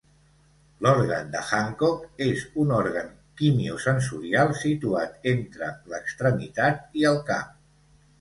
L'organ de Hancock és un òrgan quimiosensorial situat entre l'extremitat i el cap.